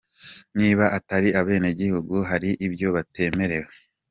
Niba atari abenegihugu hari ibyo batemerewe.